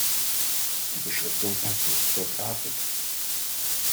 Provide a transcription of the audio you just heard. Die Beschriftung passt nicht zur Grafik.